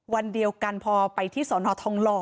วันเดียวกันพอไปที่สอนอทองหล่อ